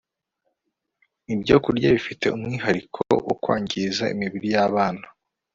Ibyokurya Bifite Umwihariko wo Kwangiza Imibiri yAbana